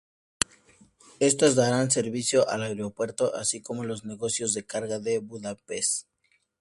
Estas darán servicio al aeropuerto así como a los negocios de carga de Budapest.